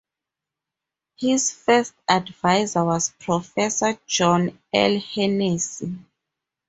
His first adviser was Professor John L. Hennessy.